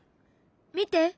見て！